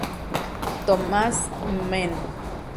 Thomas Mann.